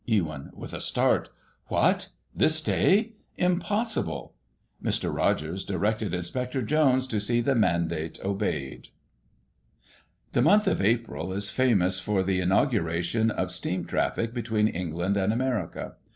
Ewyn (with a start) : What ! this day > Impossible. Mr. Rogers directed Inspector Jones to see the mandate obeyed The month of April is famous for the inauguration of steam traffic between England and America.